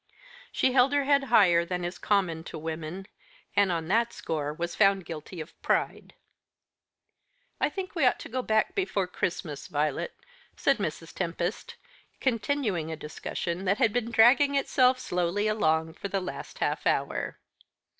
She held her head higher than is common to women, and on that score was found guilty of pride. "I think we ought to go back before Christmas, Violet," said Mrs. Tempest, continuing a discussion that had been dragging itself slowly along for the last half hour.